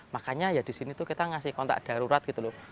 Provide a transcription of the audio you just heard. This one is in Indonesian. makanya ya di sini tuh kita ngasih kontak darurat gitu loh